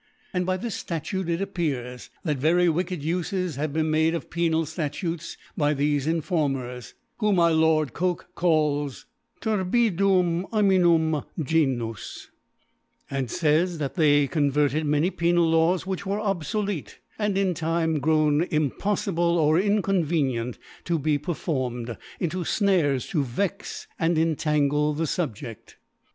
By this Statute it appears,, that very wicked Ufes had been made of penal Statutes by thefe Inforniers, whom my Lord Coke calls "f furbtdum Hominum Genus ; and fays, ' That they converted many penal * Laws which were obfolete, and in time * grown impoffible or inconvenient to be * performed, into Snares to vex and intangle « theSubjeft.'